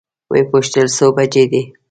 وې پوښتل څو بجې دي؟